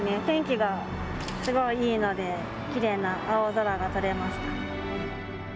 天気がすごいいいのできれいな青空が撮れました。